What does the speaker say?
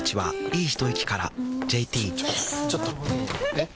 えっ⁉